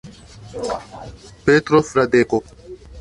Petro Fradeko.